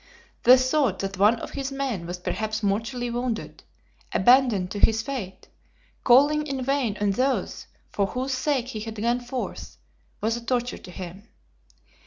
The thought that one of his men was perhaps mortally wounded, abandoned to his fate, calling in vain on those for whose sake he had gone forth, was a torture to him.